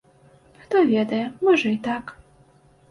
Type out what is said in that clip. Хто ведае, можа і так.